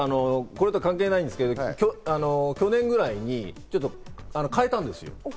これとは関係ないんですけど、去年ぐらいに替えたんですよ。